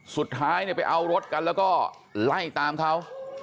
สุดท้ายไปเอารถกันแล้วก็ไล่ตามเขา